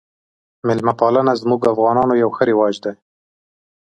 میلمه پالنه زموږ افغانانو یو ښه رواج دی